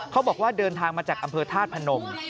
เขาบอกว่าเดินทางมาจากอำเภอธาตุพนม